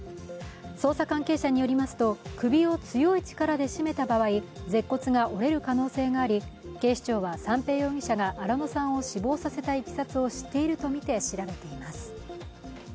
捜査関係者によりますと、首を強い力で絞めた場合、舌骨が折れる可能性があり三瓶容疑者が新野さんを死亡させたいきさつを知っているとみて知っているとみて調べています。